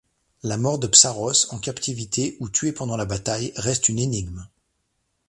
La mort de Psarrós en captivité ou tué pendant la bataille reste une énigme.